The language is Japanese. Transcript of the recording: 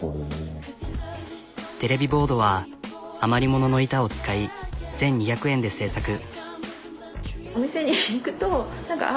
テレビボードは余りものの板を使い１、２００円で製作。